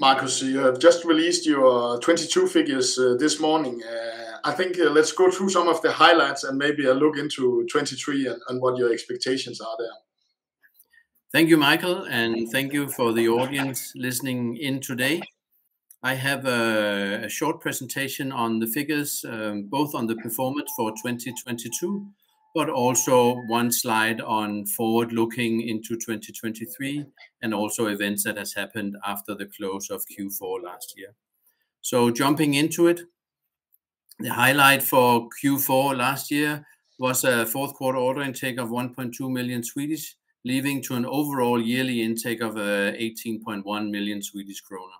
Marcus, you have just released your, 2022 figures, this morning. I think, let's go through some of the highlights and maybe a look into 2023 and what your expectations are there. Thank you, Michael, thank you for the audience listening in today. I have a short presentation on the figures, both on the performance for 2022, also one slide on forward-looking into 2023, also events that has happened after the close of Q4 last year. Jumping into it, the highlight for Q4 last year was a fourth quarter order intake of 1.2 million, leading to an overall yearly intake of 18.1 million Swedish kronor.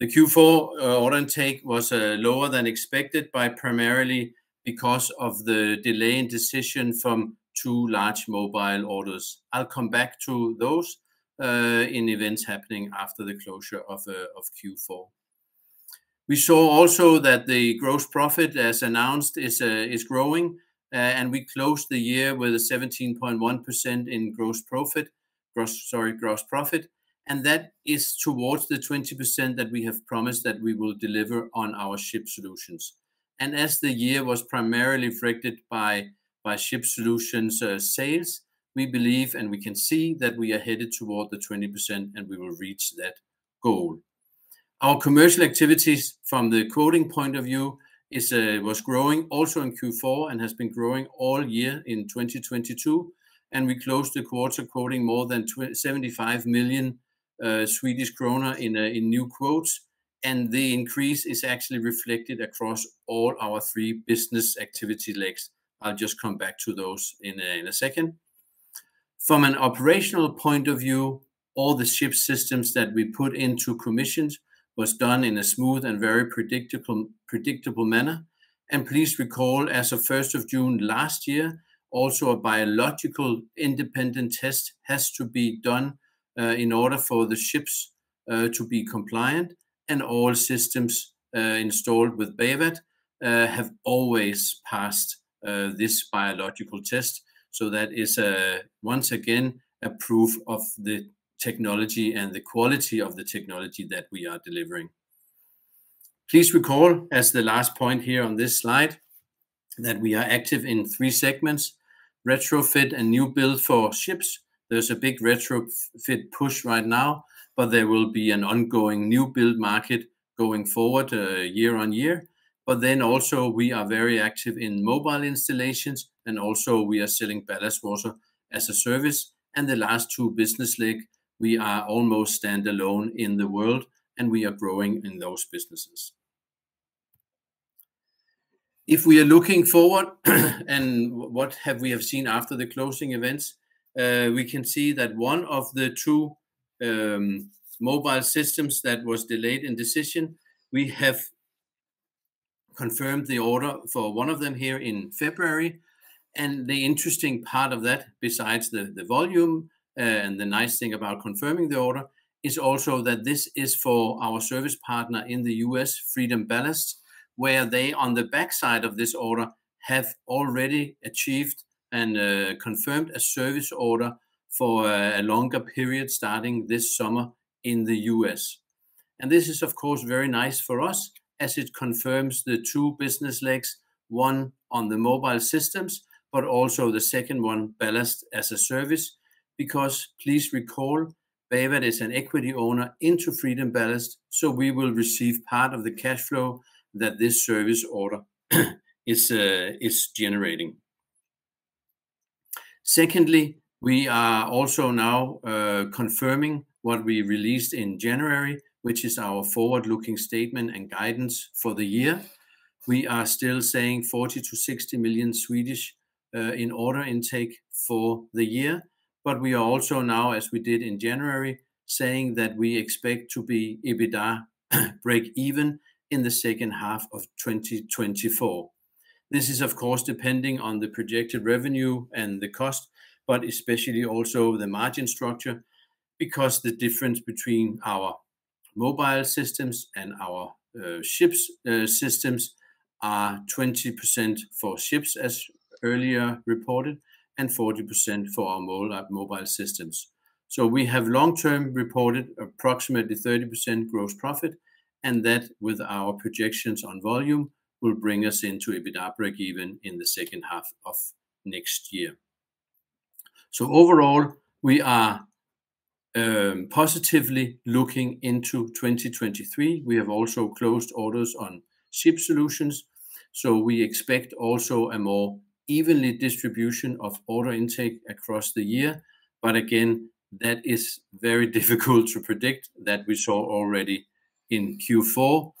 The Q4 order intake was lower than expected primarily because of the delay in decision from two large mobile orders. I'll come back to those in events happening after the closure of Q4. We saw also that the gross profit, as announced, is growing, and we closed the year with a 17.1% in gross profit. sorry, gross profit, and that is towards the 20% that we have promised that we will deliver on our ship solutions. As the year was primarily affected by ship solutions sales, we believe, and we can see, that we are headed toward the 20%, and we will reach that goal. Our commercial activities from the quoting point of view is growing also in Q4 and has been growing all year in 2022, and we closed the quarter quoting more than 75 million Swedish kronor in new quotes. The increase is actually reflected across all our three business activity legs. I'll just come back to those in a, in a second. From an operational point of view, all the ship systems that we put into commissions was done in a smooth and very predictable manner. Please recall, as of first of June last year, also a biological independent test has to be done in order for the ships to be compliant, and all systems installed with Bawat have always passed this biological test. That is once again, a proof of the technology and the quality of the technology that we are delivering. Please recall, as the last point here on this slide, that we are active in three segments: retrofit and new build for ships. There's a big retrofit push right now, but there will be an ongoing new build market going forward year-on-year. Also we are very active in mobile installations, and also we are selling Ballast Water as a Service. The last two business leg, we are almost standalone in the world, and we are growing in those businesses. If we are looking forward, and what have we have seen after the closing events, we can see that one of the two mobile systems that was delayed in decision, we have confirmed the order for one of them here in February. The interesting part of that, besides the volume, and the nice thing about confirming the order, is also that this is for our service partner in the U.S., Freedom Ballast, where they, on the backside of this order, have already achieved and confirmed a service order for a longer period starting this summer in the U.S. This is, of course, very nice for us as it confirms the two business legs, one on the mobile systems, but also the second one, ballast as a service. Please recall, Bawat is an equity owner into Freedom Ballast, so we will receive part of the cash flow that this service order is generating. Secondly, we are also now confirming what we released in January, which is our forward-looking statement and guidance for the year. We are still saying 40 million-60 million in order intake for the year, but we are also now, as we did in January, saying that we expect to be EBITDA break even in the second half of 2024. This is, of course, depending on the projected revenue and the cost, but especially also the margin structure, because the difference between our mobile systems and our ships systems are 20% for ships, as earlier reported, and 40% for our mobile systems. We have long-term reported approximately 30% gross profit, and that, with our projections on volume, will bring us into EBITDA break even in the second half of next year. Overall, we are positively looking into 2023. We have also closed orders on ship solutions. We expect also a more evenly distribution of order intake across the year. Again, that is very difficult to predict. That we saw already in Q4.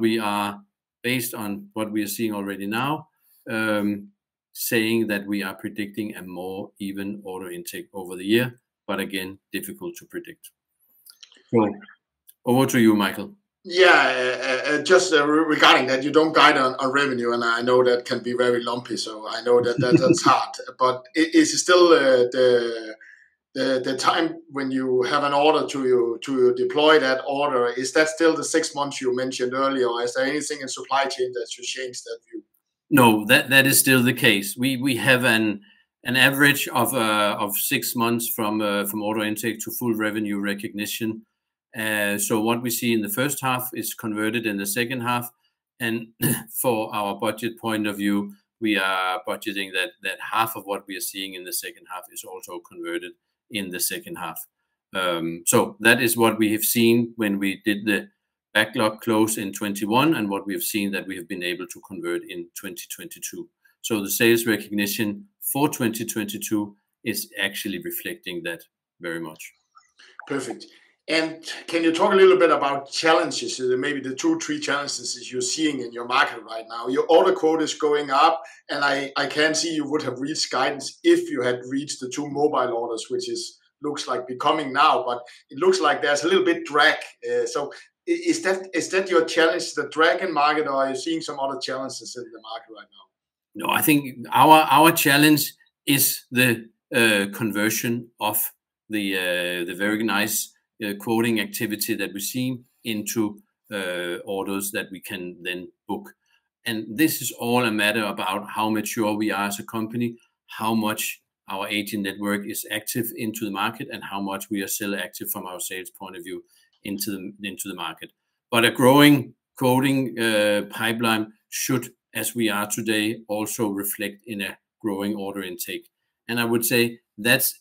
We are, based on what we are seeing already now, saying that we are predicting a more even order intake over the year. Again, difficult to predict. Right. Over to you, Michael. Just regarding that, you don't guide on revenue, and I know that can be very lumpy, so I know that that's hard. Is it still the time when you have an order to deploy that order, is that still the six months you mentioned earlier, or is there anything in supply chain that should change that view? No, that is still the case. We have an average of 6 months from order intake to full revenue recognition. What we see in the first half is converted in the second half, and for our budget point of view, we are budgeting that half of what we are seeing in the second half is also converted in the second half. That is what we have seen when we did the backlog close in 2021, and what we have seen that we have been able to convert in 2022. The sales recognition for 2022 is actually reflecting that very much. Perfect. Can you talk a little bit about challenges, maybe the two, three challenges you're seeing in your market right now? Your order quote is going up, and I can see you would have reached guidance if you had reached the two mobile orders, which is looks like be coming now, but it looks like there's a little bit drag. Is that your challenge, the drag in market, or are you seeing some other challenges in the market right now? No, I think our challenge is the conversion of the very nice quoting activity that we're seeing into orders that we can then book. This is all a matter about how mature we are as a company, how much our agent network is active into the market, and how much we are still active from our sales point of view into the market. A growing quoting pipeline should, as we are today, also reflect in a growing order intake. I would say that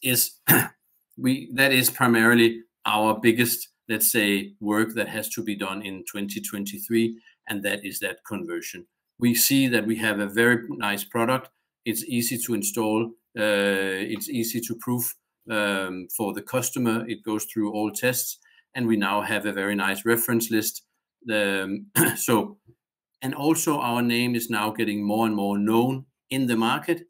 is primarily our biggest, let's say, work that has to be done in 2023, and that is that conversion. We see that we have a very nice product. It's easy to install, it's easy to prove for the customer. It goes through all tests, and we now have a very nice reference list. Our name is now getting more and more known in the market.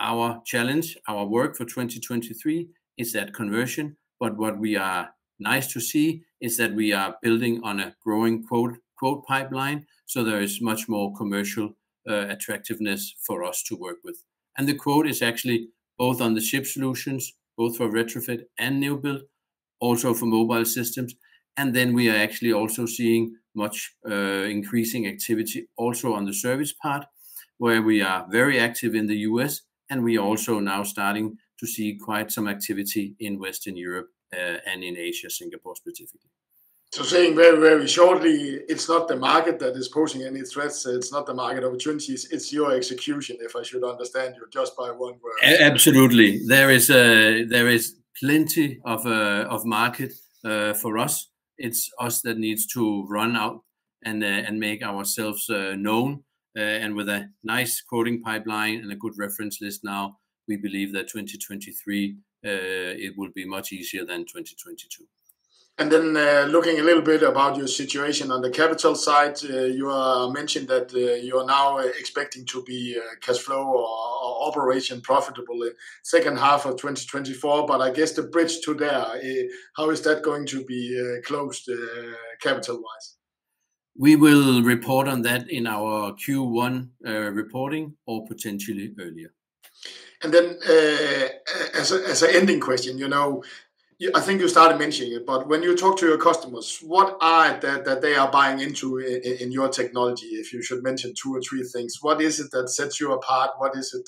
Our challenge, our work for 2023 is that conversion. What we are nice to see is that we are building on a growing quote pipeline, so there is much more commercial attractiveness for us to work with. The quote is actually both on the Ship BWMS, both for retrofit and new build, also for Mobile BWMS. We are actually also seeing much increasing activity also on the service part, where we are very active in the US, and we are also now starting to see quite some activity in Western Europe and in Asia, Singapore specifically. Saying very shortly, It's not the market that is posing any threats, it's not the market opportunities, it's your execution, if I should understand you just by one word. Absolutely. There is plenty of market for us. It's us that needs to run out and make ourselves known. With a nice quoting pipeline and a good reference list now, we believe that 2023, it will be much easier than 2022. Looking a little bit about your situation on the capital side, you mentioned that you are now expecting to be cash flow or operation profitable second half of 2024, but I guess the bridge to there, how is that going to be closed, capital-wise? We will report on that in our Q1, reporting or potentially earlier. As an ending question, you know, I think you started mentioning it, but when you talk to your customers, what are that they are buying into in your technology, if you should mention two or three things? What is it that sets you apart? What is it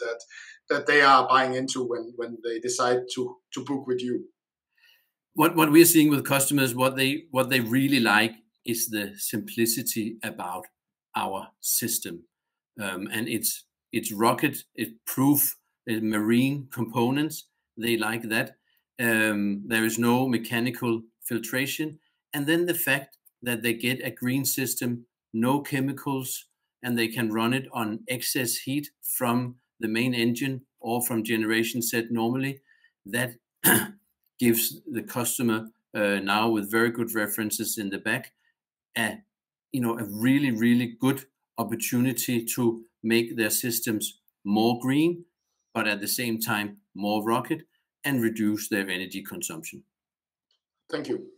that they are buying into when they decide to book with you? What we are seeing with customers, what they really like is the simplicity about our system. It's, it's rugged, it proof marine components. They like that. There is no mechanical filtration. The fact that they get a green system, no chemicals, and they can run it on excess heat from the main engine or from genset normally, that gives the customer, now with very good references in the back, you know, a really, really good opportunity to make their systems more green, but at the same time, more rugged and reduce their energy consumption. Thank you.